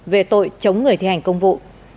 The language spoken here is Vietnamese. về tội chống người thi hành công vụ